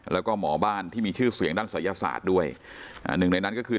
แล้วก็หมอบ้านที่มีชื่อเสียงด้านศัยศาสตร์ด้วยอ่าหนึ่งในนั้นก็คือ